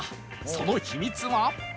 その秘密は